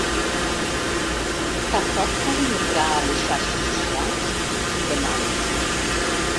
Tampoc poden entrar a les xarxes socials? —li demano.